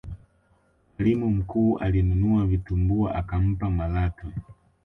mwalimu mkuu alinunua vitumbua akampa malatwe